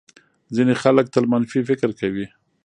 ځینې خلک تل منفي فکر کوي.